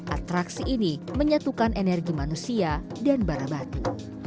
atraksi ini menyatukan energi manusia dan batu